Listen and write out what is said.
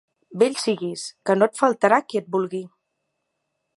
Vell siguis, que no et faltarà qui et vulgui.